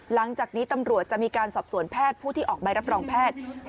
หลังจากนี้ตำรวจจะมีการสอบสวนแพทย์ผู้ที่ออกใบรับรองแพทย์